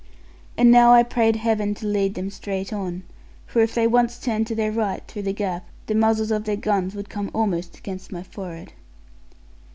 And now I prayed Heaven to lead them straight on; for if they once turned to their right, through the gap, the muzzles of their guns would come almost against my forehead.